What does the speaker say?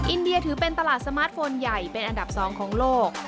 อินเดียถือเป็นตลาดสมาร์ทโฟนใหญ่เป็นอันดับ๒ของโลก